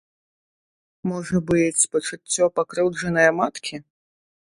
Можа быць, пачуццё пакрыўджанае маткі?